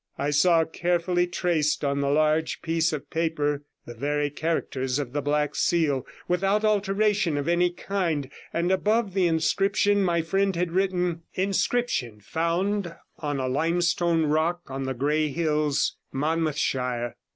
I saw carefully traced on a large piece of paper the very characters of the Black Seal, without alteration of any kind, and above the inscription my friend had written: Inscription found on a limestone rock on the Grey Hills, Monmouthshire.